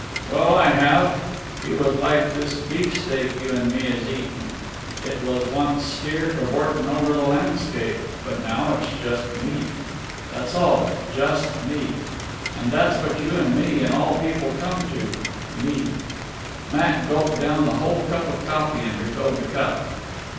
"Well, I have. He was like this beefsteak you an' me is eatin'. It was once steer cavortin' over the landscape. But now it's just meat. That's all, just meat. An' that's what you an' me an' all people come to meat." Matt gulped down the whole cup of coffee, and refilled the cup.